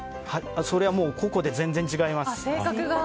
それは個々で全然違います。